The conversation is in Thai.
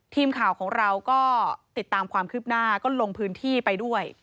ทีมข่าวของเราก็ติดตามความคืบหน้าก็ลงพื้นที่ไปด้วย